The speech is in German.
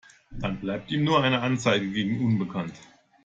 Dann bleibt ihm nur eine Anzeige gegen unbekannt.